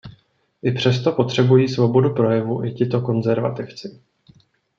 I přesto potřebují svobodu projevu i tito konzervativci.